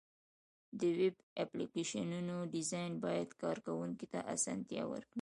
د ویب اپلیکیشنونو ډیزاین باید کارونکي ته اسانتیا ورکړي.